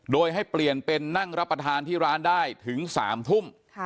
โดยให้เปลี่ยนเป็นนั่งรับประทานที่ร้านได้ถึง๓ทุ่ม